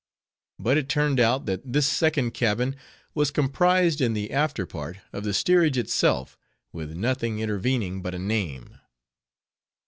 But it turned out that this second cabin was comprised in the after part of the steerage itself, with nothing intervening but a name.